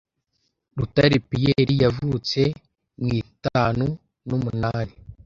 Rutare Pierre yavutse mu itanu numunani